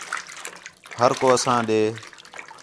ہر کو اَساں ݙے